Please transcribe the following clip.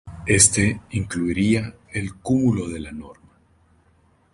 Éste incluiría el Cúmulo de Norma.